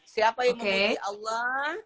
siapa yang memuji allah